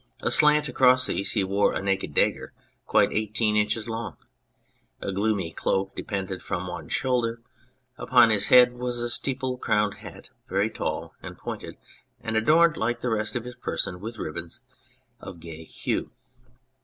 Aslant across these he wore a naked dagger quite eighteen inches long ; a gloomy cloak depended from one shoulder ; upon his head was a steeple crowned hat, very tall and pointed, and adorned, like the rest of his person, with ribbons of gay hue.